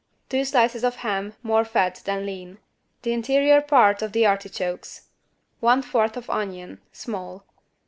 Two slices of ham, more fat than lean. The interior part of the artichokes. One fourth of onion (small).